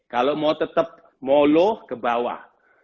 kalau mau tetap mau low kebawah